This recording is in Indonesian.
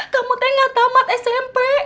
kamu tuh gak tamat smp